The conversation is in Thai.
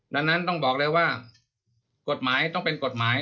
ดังนั้นต้องบอกเลยว่ากฎหมายต้องเป็นกฎหมาย